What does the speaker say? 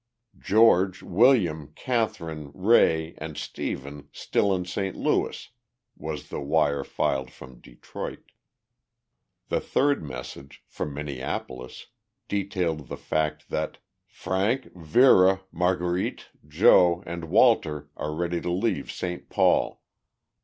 "George, William, Katherine, Ray, and Stephen still in St. Louis," was the wire filed from Detroit. The third message, from Minneapolis, detailed the fact that "Frank, Vera, Marguerite, Joe, and Walter are ready to leave St. Paul."